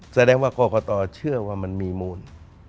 แสดงว่ากรกตเชื่อว่ามันมีมูล